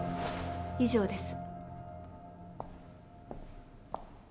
以上です。